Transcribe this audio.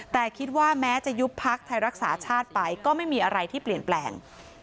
แต่คิดว่าแม้จะยุบพักไทยรักษาชาติไปก็ไม่มีอะไรที่เปลี่ยนแปลง